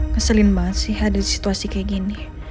ngeselin banget sih ada situasi kayak gini